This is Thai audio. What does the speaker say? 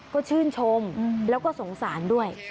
ก็ชื่นชมแล้วก็สงสารด้วย